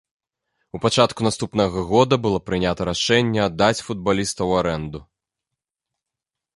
У пачатку наступнага года было прынята рашэнне аддаць футбаліста ў арэнду.